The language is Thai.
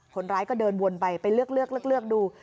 คนร้ายก็เดินวนไปไปเลือกดู